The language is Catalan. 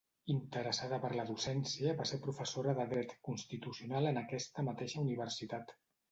Interessada per la docència va ser professora de dret constitucional en aquesta mateixa universitat.